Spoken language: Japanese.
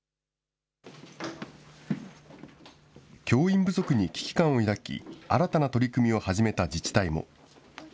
教員不足に危機感を抱き、新たな取り組みを始めた自治体も。